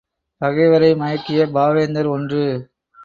பகைவரை மயக்கிய பாவேந்தர் ஒன்று.